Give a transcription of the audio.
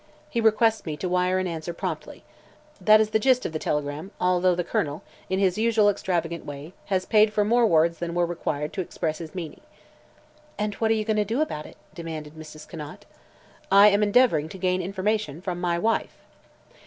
He requests me to wire an answer promptly. That is the gist of the telegram, although the Colonel, in his usual extravagant way, has paid for more words than were required to express his meaning." "And what are you going to do about it?" demanded Mrs. Conant. "I am endeavoring to gain information from my wife."